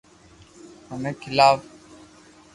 منو کيلاوُ